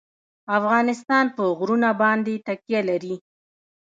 افغانستان په غرونه باندې تکیه لري.